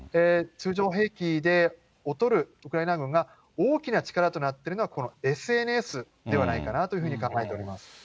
通常兵器で劣るウクライナ軍が、大きな力となっているのは、このＳＮＳではないかなというふうに考えております。